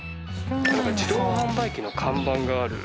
「自動販売機」の看板がある。